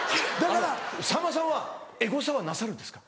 さんまさんはエゴサはなさるんですか？